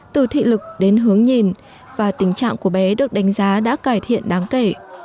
từ thị lực đến hướng nhìn và tình trạng của bé được đánh giá đã cải thiện đáng kể